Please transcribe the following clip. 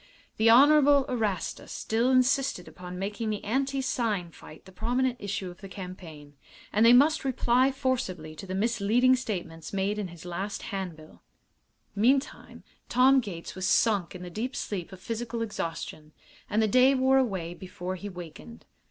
The Honorable Erastus still insisted upon making the anti sign fight the prominent issue of the campaign, and they must reply forcibly to the misleading statements made in his last hand bill. Meantime Tom Gates was sunk in the deep sleep of physical exhaustion, and the day wore away before he wakened.